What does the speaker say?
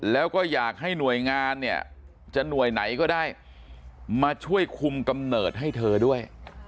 แล้วก็อยากให้หน่วยงานเนี่ยจะหน่วยไหนก็ได้มาช่วยคุมกำเนิดให้เธอด้วย